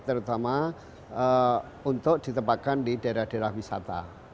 terutama untuk ditempatkan di daerah daerah wisata